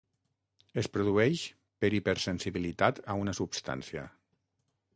Es produeix per hipersensibilitat a una substància.